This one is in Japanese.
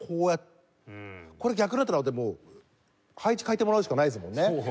これ逆だとなるともう配置変えてもらうしかないですもんね。